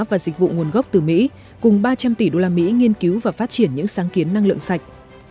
và dịch vụ nguồn gốc từ mỹ cùng ba trăm linh tỷ đô la mỹ nghiên cứu và phát triển những sáng kiến năng lượng sạch